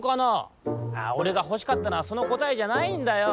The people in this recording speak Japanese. おれがほしかったのはそのこたえじゃないんだよ。